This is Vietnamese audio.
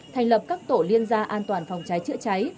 thành lập các tổ liên gia an toàn phòng cháy chữa cháy